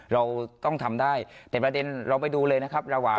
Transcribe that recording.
เราต้องทำได้แต่ประเด็นเราไปดูเลยนะครับระหว่าง